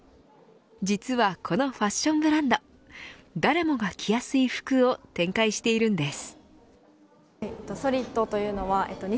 実は、このファッションブランド誰もが着やすい服を展開しているんです。